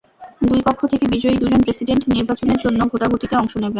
দুই কক্ষ থেকে বিজয়ী দুজন প্রেসিডেন্ট নির্বাচনের জন্য ভোটাভুটিতে অংশ নেবেন।